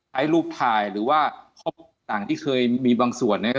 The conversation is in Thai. ให้รูปถ่ายหรือว่าพบต่างที่เคยมีบางส่วนเนี่ย